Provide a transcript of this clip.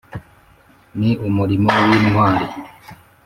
Ni umurimo w’Intwari